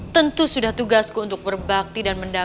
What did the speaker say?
tentu sudah tugasku untuk berbakti dan mendamping